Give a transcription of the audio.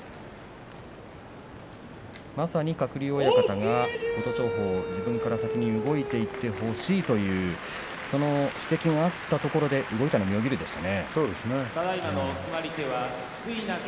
まさに鶴竜親方が琴勝峰は自分から先に動いていてほしいというその指摘があったところで動いたのは妙義龍でした。